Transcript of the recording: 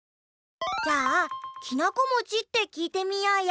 じゃあきなこもちってきいてみようよ。